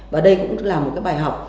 và đây cũng là một cái bài học